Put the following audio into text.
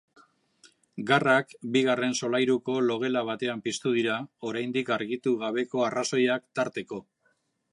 Garrak bigarren solairuko logela batean piztu dira, oraindik argitu gabeko arrazoiak tarteko.